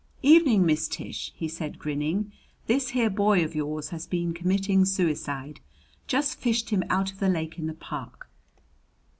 "Evening, Miss Tish," he said, grinning. "This here boy of yours has been committing suicide. Just fished him out of the lake in the park!"